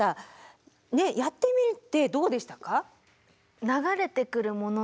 やってみるってどうでしたか？